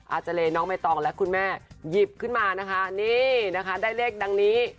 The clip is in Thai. อาจารย์เลน้องใบตองและคุณแม่หยิบขึ้นมานะคะนี่นะคะได้เลขดังนี้